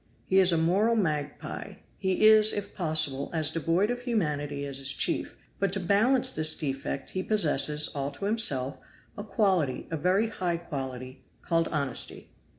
He is a moral magpie; he is, if possible, as devoid of humanity as his chief; but to balance this defect, he possesses, all to himself, a quality, a very high quality, called Honesty."